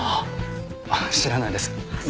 知らないです。